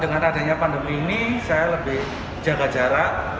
sebenarnya pandemi ini saya lebih jaga jarak